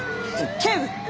警部！